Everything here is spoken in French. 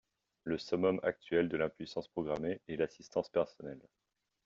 Le summum actuel de l’impuissance programmée est l’assistante personnelle.